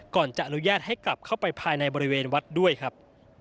ก่อนจะอนุญาตให้กลับเข้าไปภายในบริเวณวัดด้วยครับ